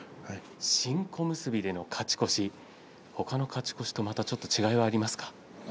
新小結での勝ち越し他の勝ち越しとはまたちょっと違いはありますか？